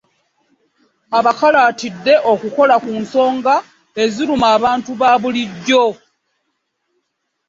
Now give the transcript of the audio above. Abakalaatidde okukola ku nsonga eziruma abantu ba bulijjo.